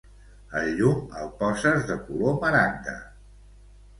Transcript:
El llum el poses de color maragda.